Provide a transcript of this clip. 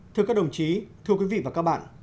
thưa các đồng chí thưa quý vị và các bạn